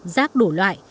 rác đủ loại